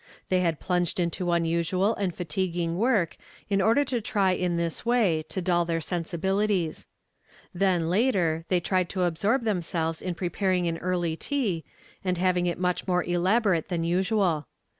They had plunged into unusual and fatiguing work in order to try in this way to dull their sen sibilities. Then, later, they tried to absorb them selves m preparing an early tea, and having it much more elaborate than usual.